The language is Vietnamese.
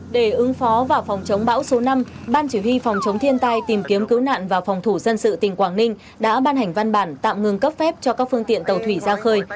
để ứng phó vào phòng chống bão số năm ban chỉ huy phòng chống thiên tai tìm kiếm cứu nạn và phòng thủ dân sự tỉnh quảng ninh đã ban hành văn bản tạm ngừng cấp phép cho các phương tiện tàu thủy ra khơi